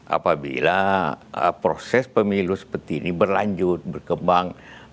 apabila proses pemilu seperti ini berlanjut berkembang